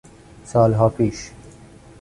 سالها پیش